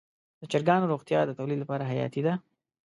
د چرګانو روغتیا د تولید لپاره حیاتي ده.